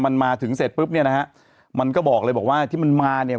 มันมาถึงเสร็จปุ๊บเนี่ยนะฮะมันก็บอกเลยบอกว่าที่มันมาเนี่ย